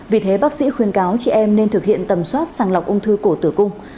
vì thế bác sĩ khuyên cáo chị em nên thực hiện tầm soát sàng lọc ung thư cổ tử cung